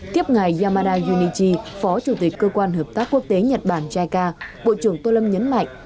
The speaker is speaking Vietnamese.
tiếp ngày yamada junichi phó chủ tịch cơ quan hợp tác quốc tế nhật bản jica bộ trưởng tô lâm nhấn mạnh